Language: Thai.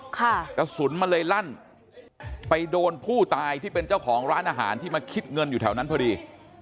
กระสุนมันเลยลั่นไปโดนผู้ตายที่เป็นเจ้าของร้านอาหารที่มาคิดเงินอยู่แถวนั้นพอดี